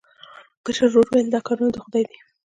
کشر ورور وویل دا کارونه د خدای دي.